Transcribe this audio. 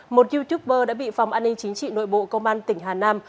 một youtuber đã bị phòng an ninh chính trị nội bộ công an tỉnh hà nam